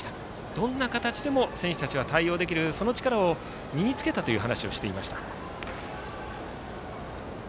どんな形でも選手たちは対応できる、その力を身につけたという話をしていました。